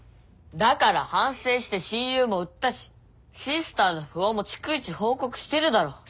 だから反省して親友も売ったしシスターの不穏も逐一報告してるだろ。